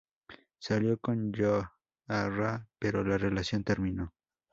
Salió con Yoon Ah Ra, pero la relación terminó.